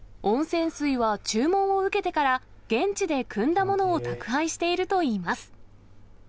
温泉水は注文を受けてから、現地でくんだものを宅配しているといいます。